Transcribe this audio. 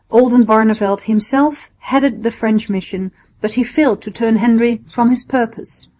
Oldenbarneveldt himself headed the French mission, but he failed to turn Henry from his purpose.